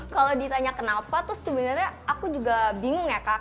kalau ditanya kenapa tuh sebenarnya aku juga bingung ya kak